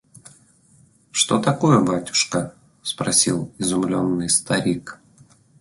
– Что такое, батюшка? – спросил изумленный старик.